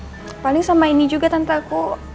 eh paling sama ini juga tante aku